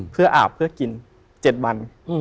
เพื่ออาบเพื่อกิน๗วัน